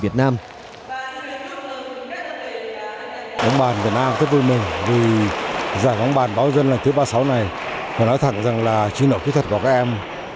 tuyển bóng bàn việt nam